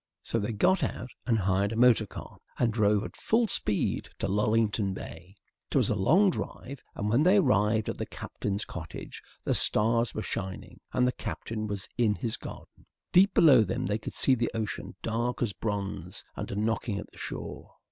So they got out and hired a motor car, and drove at full speed to Lullington Bay. It was a long drive, and when they arrived at the Captain's cottage the stars were shining and the Captain was in his garden. Deep below them they could see the ocean, dark as bronze and knocking at the shore.